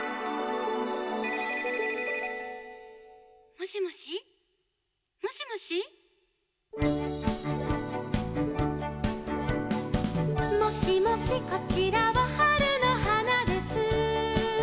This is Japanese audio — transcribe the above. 「もしもしもしもし」「もしもしこちらは春の花です」